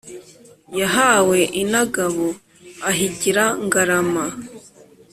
yahawe inagabo ahigira ngarama.